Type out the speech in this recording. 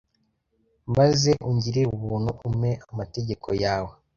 maze ungirire ubuntu, umpe amategeko yawe